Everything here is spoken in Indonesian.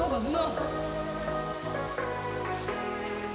dan juga perangkat